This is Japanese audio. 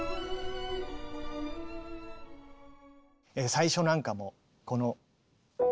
最初なんかもこの。